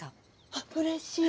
あっうれしい！